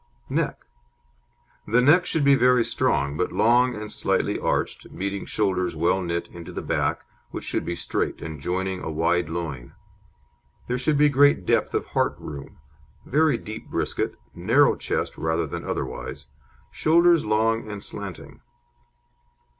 NECK The neck should be very strong, but long and slightly arched, meeting shoulders well knit into the back, which should be straight and joining a wide loin. There should be great depth of heart room, very deep brisket, narrow chest rather than otherwise, shoulders long and slanting.